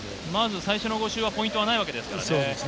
最初の５周はポイントがないわけですからね。